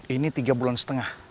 ini tiga bulan setengah